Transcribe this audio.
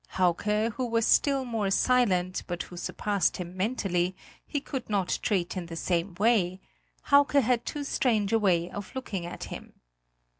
Hauke, who was still more silent, but who surpassed him mentally, he could not treat in the same way; Hauke had too strange a way of looking at him.